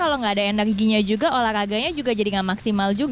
kalau nggak ada energinya juga olahraganya juga jadi nggak maksimal juga